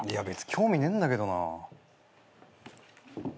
興味ねえんだけどな。